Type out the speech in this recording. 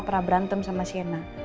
pernah berantem sama sienna